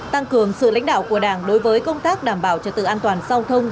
tăng cường sự lãnh đạo của đảng đối với công tác đảm bảo trật tự an toàn giao thông